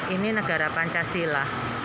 ini negara pancasila